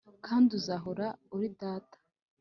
kandi uzahora uri data.